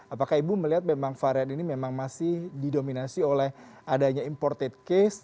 apakah ibu melihat memang varian ini memang masih didominasi oleh adanya imported case